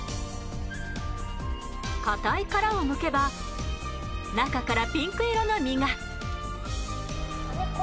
硬い殻をむけば中からピンク色の身が。